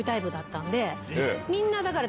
みんなだから。